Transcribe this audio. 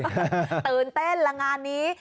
ตื่นเต้นละงานนี้